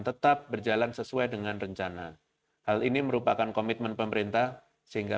tetap berjalan sesuai dengan rencana hal ini merupakan komitmen pemerintah sehingga